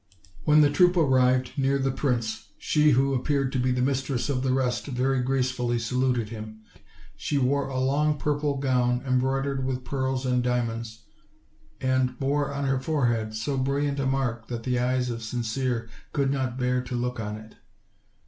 When the troop arrived near the prince she who appeared to he the mistress of the rest very gracefully saluted him. She wore a long purple gown embroidered with pearls and diamonds, and bore on her forehead so brilliant a mark that the eyes of Sincere could not bear to look on it.